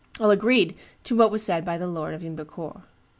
All agreed to what was said by the lord of Ymbercourt.